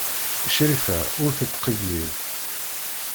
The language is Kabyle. Crifa ur tettqeyyil.